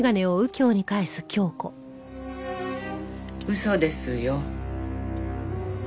嘘ですよ。